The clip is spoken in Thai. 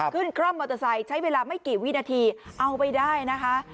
คร่อมมอเตอร์ไซค์ใช้เวลาไม่กี่วินาทีเอาไปได้นะคะ